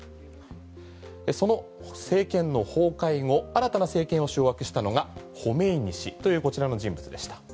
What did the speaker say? その政権の崩壊後新たな政権を掌握したのがホメイニ師というこちらの人物でした。